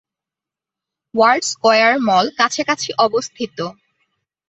Word square mall কাছাকাছি অবস্থিত।